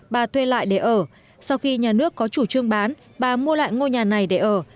bà thuê lại để ở sau khi nhà nước có chủ trương bán bà mua lại ngôi nhà này để ở